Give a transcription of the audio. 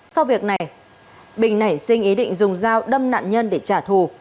sau việc này bình nảy sinh ý định dùng dao đâm nạn nhân để trả thù